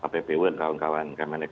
ppwn kawan kawan kemenik